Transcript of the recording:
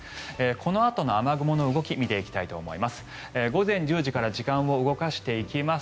このあとの雨雲の動きを見ていきたいと思います。